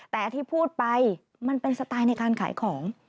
แต่ที่พูดไปมันเป็นสไตล์ในการขายของ